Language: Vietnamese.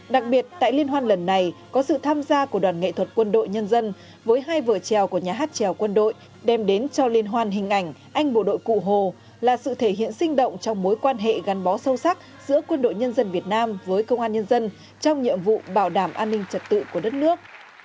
đặc biệt tại liên hoan lần này có sự tham gia của đoàn nghệ thuật quân đội nhân dân với hai vở trèo của nhà hát trèo quân đội đem đến cho liên hoan hình ảnh anh bộ đội cụ hồ là sự thể hiện sinh động trong mối quan hệ gắn bó sâu sắc giữa quân đội nhân dân việt nam với công an nhân dân trong nhiệm vụ bảo đảm an ninh trật tự của đất nước